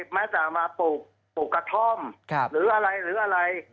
แม้สามารถปลูกกระท่อมหรืออะไร